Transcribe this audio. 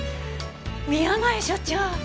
宮前所長！